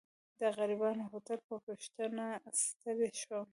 د غریبانه هوټل په پوښتنه ستړی شوم.